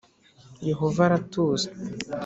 Yehova aratuzi